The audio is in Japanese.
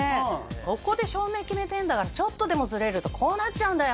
ここで照明決めてんだからちょっとでもズレるとこうなっちゃうんだよ！